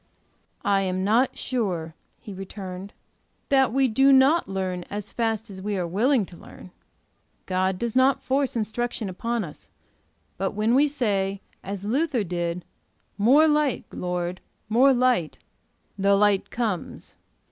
"I am not sure," he returned, "that we do not learn as fast as we are willing to learn. God does not force instruction upon us, but when we say, as Luther did, 'More light, Lord, more light,' the light comes."